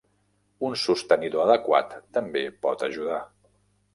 Un sostenidor adequat també pot ajudar.